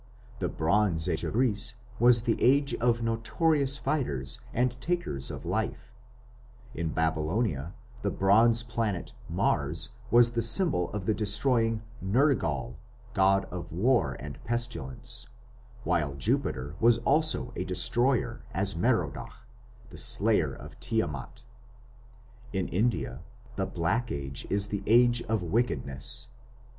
The Bronze Age of Greece was the age of notorious fighters and takers of life; in Babylonia the bronze planet Mars was the symbol of the destroying Nergal, god of war and pestilence, while Jupiter was also a destroyer as Merodach, the slayer of Tiamat. In India the Black Age is the age of wickedness.